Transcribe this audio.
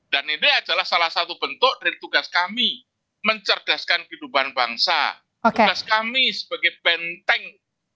dan ini adalah salah satu bentuk dari tugas kami mencerdaskan kehidupan bangsa tugas kami sebagai benteng